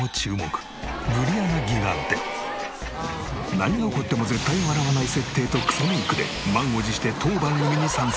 何が起こっても絶対に笑わない設定とクセメイクで満を持して当番組に参戦。